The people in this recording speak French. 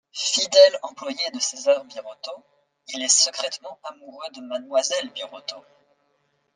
Fidèle employé de César Birotteau, il est secrètement amoureux de mademoiselle Birotteau.